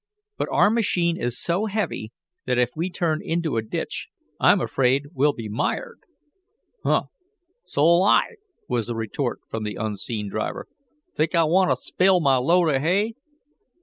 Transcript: "But our machine is so heavy that if we turn into the ditch I'm afraid we'll be mired." "Huh! So'll I," was the retort from the unseen driver.. "Think I want t' spile my load of hay?"